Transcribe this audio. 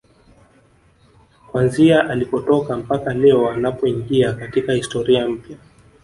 Kuanzia alikotoka mpaka leo anapoingia katika historia mpya